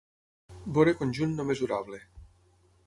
Veure conjunt no mesurable.